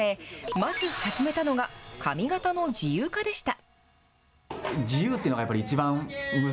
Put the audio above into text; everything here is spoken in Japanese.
まず始めたのが髪形の自由化でした。